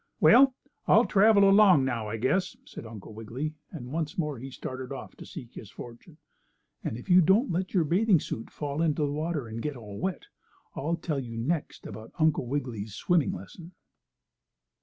"Well, I'll travel along now, I guess," said Uncle Wiggily, and once more he started off to seek his fortune. And if you don't let your bathing suit fall into the water and get all wet, I'll tell you next about Uncle Wiggily's swimming lesson.